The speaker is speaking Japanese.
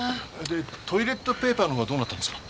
でトイレットペーパーのほうはどうなったんですか？